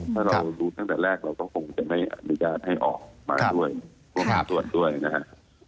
ถ้าเรารู้จังตั้งแต่แรกก็คงจะไม่อนุญาตให้กับพวกบังตรวจด้วยนะครับ